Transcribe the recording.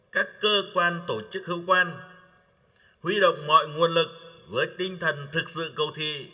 cơ quan tổ chức hữu quan huy động mọi nguồn lực với tinh thần thực sự cầu thi